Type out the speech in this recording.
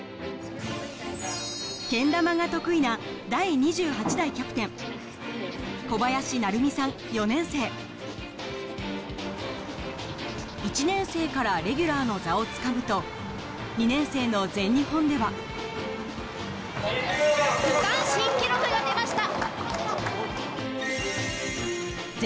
けん玉が得意な第２８代キャプテン１年生からレギュラーの座をつかむと２年生の全日本では区間新記録が出ました！